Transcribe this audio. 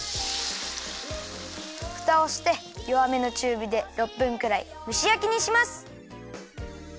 ふたをしてよわめのちゅうびで６分くらいむしやきにします！